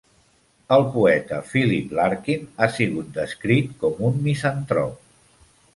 El poeta Philip Larkin ha sigut descrit com un misantrop.